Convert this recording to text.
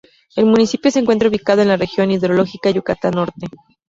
El municipio se encuentra ubicado en la región hidrológica Yucatán Norte.